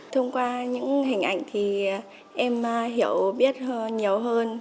thông qua những hình ảnh thì em hiểu biết hơn nhiều hơn